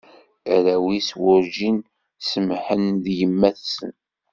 Arraw-is werǧin semmḥen di yemma-tsen.